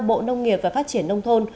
bộ nông nghiệp và phát triển nông thôn